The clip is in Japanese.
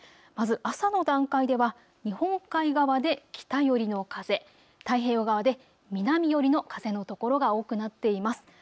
まず朝の段階では日本海側で北寄りの風、太平洋側で南寄りの風のところが多くなっています。